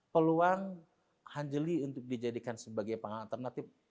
peluang anjali untuk dijadikan sebagai pengalternatif